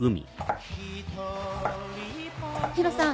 ヒロさん